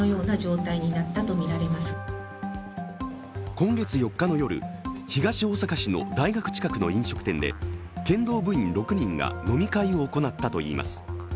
今月４日の夜、東大阪市の大学近くの飲食店で、剣道部員６人が飲み会を行ったといいます。